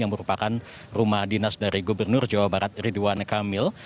yang merupakan rumah dinas dari gubernur jawa barat ridwan kamil